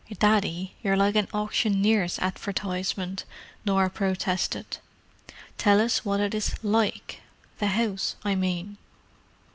"Daddy, you're like an auctioneer's advertisement," Norah protested. "Tell us what it is like—the house, I mean."